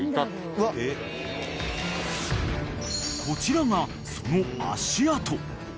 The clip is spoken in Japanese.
［こちらがその足跡］